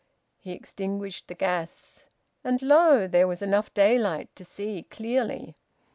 He extinguished the gas, and lo! there was enough daylight to see clearly.